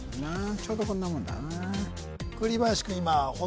ちょうどこんなもんだな栗林君